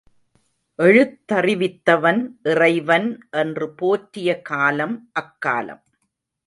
எழுத்தறிவித்தவன் இறைவன் என்று போற்றிய காலம் அக்காலம்.